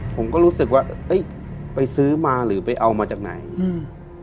ผมก็รู้สึกว่าเอ้ยไปซื้อมาหรือไปเอามาจากไหนอืม